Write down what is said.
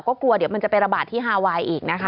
ก็กลัวเดี๋ยวมันจะไประบาดที่ฮาไวน์อีกนะคะ